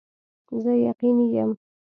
زه یقیني یم